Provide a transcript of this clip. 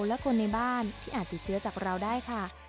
และคนในบ้านที่อาจติดเชื้อจากเราได้ค่ะ